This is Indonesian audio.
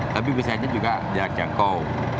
tapi bisa aja juga jangkau